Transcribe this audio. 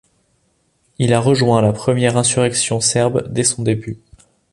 Il a rejoint la première insurrection serbe dès son début.